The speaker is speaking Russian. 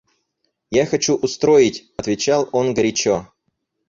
Я хочу устроить... — отвечал он горячо.